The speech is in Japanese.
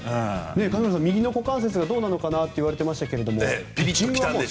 金村さん右の股関節がどうなのかなと言われていましたけども。